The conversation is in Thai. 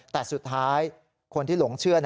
แต่สุดท้ายคนที่หลงเชื่อ